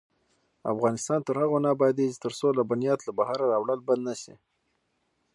افغانستان تر هغو نه ابادیږي، ترڅو لبنیات له بهره راوړل بند نشي.